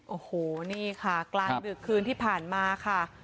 โอ้โหนี่ค่ะกลางดึกคืนที่ผ่านมาค่ะ